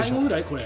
これ。